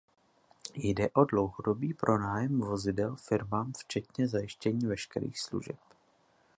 Jde o dlouhodobý pronájem vozidel firmám včetně zajištění veškerých služeb.